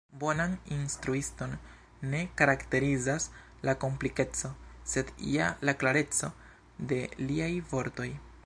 Bonan instruiston ne karakterizas la komplikeco, sed ja la klareco de liaj vortoj!